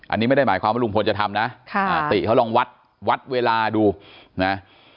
อันนี้ไม่ได้หมายความว่าลุงพลจะทำนะค่ะติเขาลองวัดวัดเวลาดูนะ